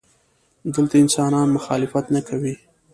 دلته انسانان مخالفت نه کوي.